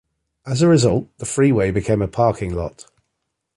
As a result, the freeway became a parking lot.